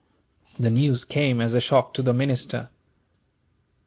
The news came as a shock to the minister.